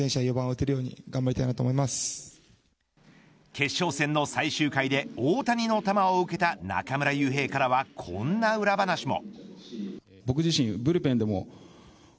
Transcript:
決勝戦の最終回で大谷の球を受けた中村悠平からはこんな裏話も。